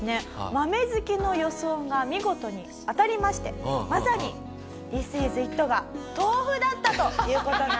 豆好きの予想が見事に当たりましてまさにＴＨＩＳＩＳＩＴが豆腐だったという事なんです。